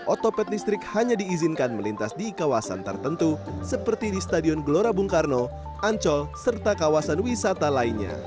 otopet listrik hanya diizinkan melintas di kawasan tertentu seperti di stadion gelora bung karno ancol serta kawasan wisata lainnya